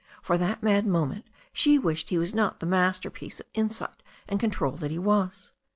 For that mad moment she wished he was not the masterpiece of insight and control that he was.